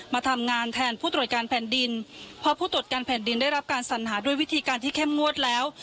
พอผู้ตรวจการแผ่นดินได้รับการสัญหาด้วยวิธีการที่แข้มงวดแล้ว